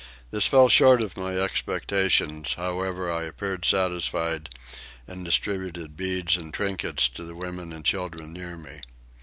This fell short of my expectations; however I appeared satisfied and distributed beads and trinkets to the women and children near me.